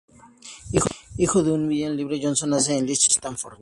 Hijo de un humilde librero, Johnson nace en Lichfield, Staffordshire.